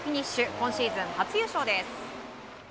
今シーズン初優勝です。